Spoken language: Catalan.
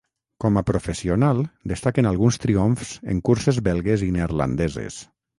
Com a professional destaquen alguns triomfs en curses belgues i neerlandeses.